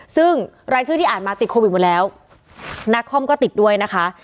ซึ่งรายชื่อที่อ่านมาติดโควิดหมดแล้วนักคอมก็ติดด้วยนะคะ